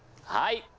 はい。